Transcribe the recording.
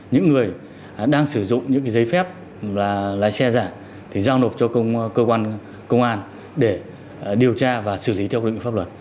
những người đang sử dụng những giấy phép lái xe giả thì giao nộp cho cơ quan công an để điều tra và xử lý theo quy định pháp luật